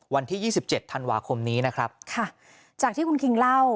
วันที่ยี่สิบเจ็ดธันวาคมนี้นะครับค่ะจากที่คุณคิงเล่า